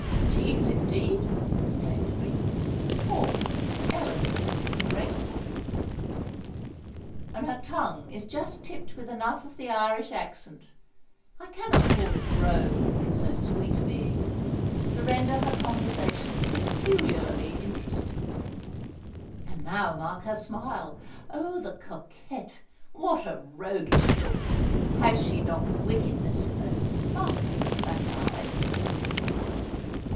"She is, indeed!" exclaimed Greenwood. "Tall, elegant, and graceful." "And her tongue is just tipped with enough of the Irish accent—I cannot call it brogue in so sweet a being—to render her conversation peculiarly interesting. And now mark her smile! Oh! the coquette—what a roguish look! Has she not wickedness in those sparkling black eyes?"